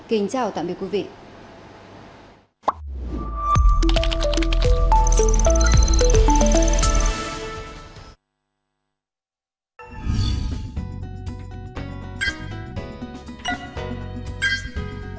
kính chào các bạn